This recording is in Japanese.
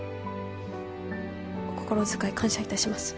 お心遣い感謝いたします